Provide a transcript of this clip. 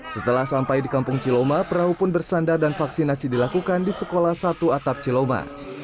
setelah sampai di kampung ciloma perahu pun bersandar dan vaksinasi dilakukan di sekolah satu atap ciloma